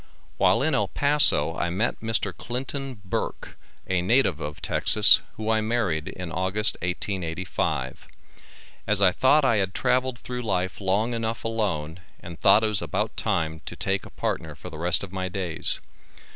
While in El Paso, I met Mr. Clinton Burk, a native of Texas, who I married in August 1885. As I thought I had travelled through life long enough alone and thought it was about time to take a partner for the rest of my days.